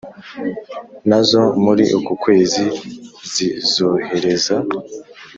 nazo muri uku kwezi zizohereza